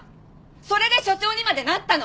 それで所長にまでなったの！